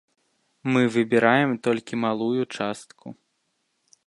Мы выбіраем толькі малую частку.